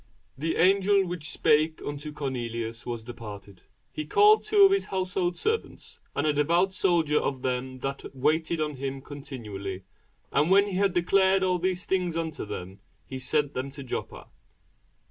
And when the angel which spake unto Cornelius was departed, he called two of his household servants, and a devout soldier of them that waited on him continually; and when he had declared all these things unto them, he sent them to Joppa.